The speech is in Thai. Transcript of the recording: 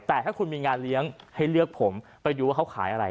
แต่ถ้าคุณมีงานเลี้ยงให้เลือกผมไปดูว่าเขาขายอะไร